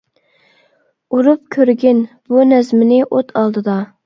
ئۇرۇپ كۆرگىن بۇ نەزمىنى ئوت ئالدىدا.